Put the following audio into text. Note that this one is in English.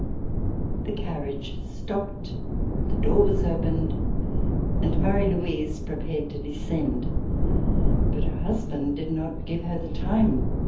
The carriage stopped. The door was opened and Marie Louise prepared to descend, but her husband did not give her the time.